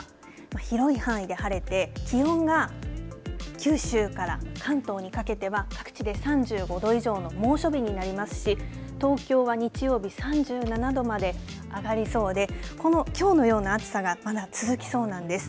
広い範囲で晴れて気温が九州から関東にかけては各地で３５度以上の猛暑日になりますし東京は日曜日３７度まで上がりそうできょうのような暑さがまだ続きそうなんです。